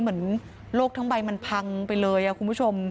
เหมือนโลกทั้งใบมันพังไปเลยคุณผู้ชม